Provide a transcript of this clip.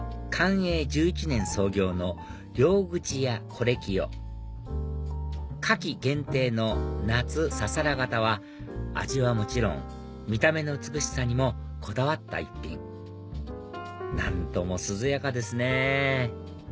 寛永１１年創業の両口屋是清夏季限定の「夏ささらがた」は味はもちろん見た目の美しさにもこだわった一品何とも涼やかですね